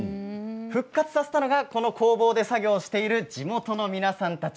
復活させたのが、この工房で作業している地元の皆さん。